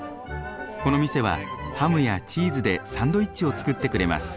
このお店はハムやチーズでサンドイッチを作ってくれます。